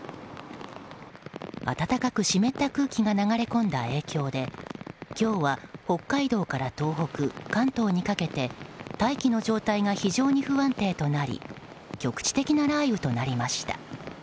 暖かく湿った空気が流れ込んだ影響で今日は北海道から東北、関東にかけて大気の状態が非常に不安定となり局地的な雷雨となりました。